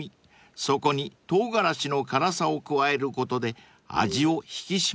そこに唐辛子の辛さを加えることで味を引き締めました］